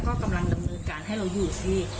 ก็กำลังดำเนินการให้เราอยู่สิ